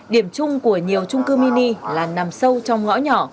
điểm chung của nhiều trung cư mini là nằm sâu trong ngõ nhỏ